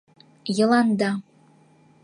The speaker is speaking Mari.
— Йыланда...